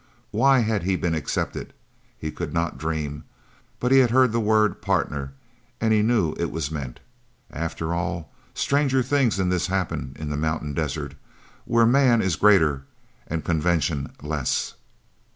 Why he had been accepted he could not dream, but he had heard the word "partner" and he knew it was meant. After all, stranger things than this happen in the mountain desert, where man is greater and convention less.